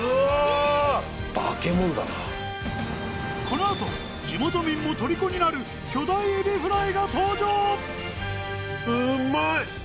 このあと地元民もとりこになる巨大エビフライが登場！